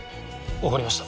わかりました。